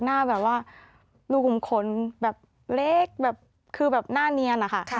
หน้าแบบว่าลูกขุมขนแบบเล็กแบบคือแบบหน้าเนียนนะคะ